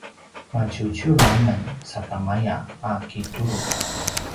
maciuciur amen sakamaya a kitulu